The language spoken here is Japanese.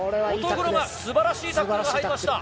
素晴らしいタックルが入りました。